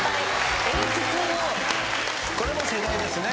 これも世代ですね。